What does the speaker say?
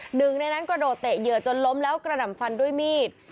หนึ่งในนั้นกระโดดเตะเหยื่อจนล้มแล้วกระหน่ำฟันด้วยมีด